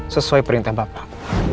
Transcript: sesuai perintah bapak